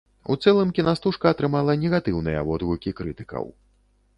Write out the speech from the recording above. У цэлым кінастужка атрымала негатыўныя водгукі крытыкаў.